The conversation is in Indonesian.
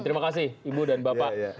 terima kasih ibu dan bapak